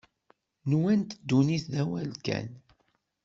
Nwant ddunit d awal kan.